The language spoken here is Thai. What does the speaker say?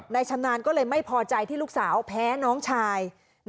ชำนาญก็เลยไม่พอใจที่ลูกสาวแพ้น้องชาย